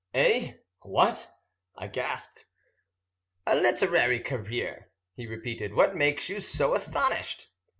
"Eh? What?" I gasped. "A literary career," he repeated. "What makes you so astonished?"